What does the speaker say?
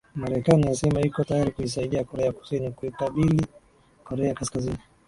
marekani yasema iko tayari kuisaidia korea kusini kuikabili korea kaskazini